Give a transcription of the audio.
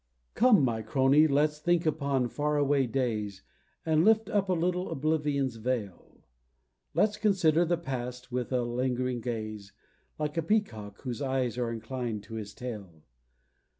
Come, my Crony, let's think upon far away days, And lift up a little Oblivion's veil; Let's consider the past with a lingering gaze, Like a peacock whose eyes are inclined to his tail.